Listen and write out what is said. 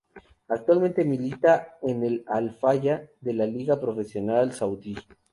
Actualmente milita en el Al-Fayha de la Liga Profesional Saudí.